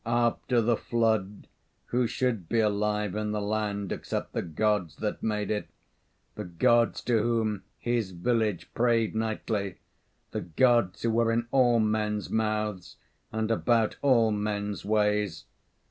After the Flood, who should be alive in the land except the Gods that made it the Gods to whom his village prayed nightly the Gods who were in all men's mouths and about all men's ways.